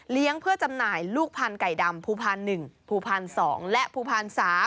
เพื่อจำหน่ายลูกพันธ์ไก่ดำภูพาล๑ภูพาล๒และภูพาล๓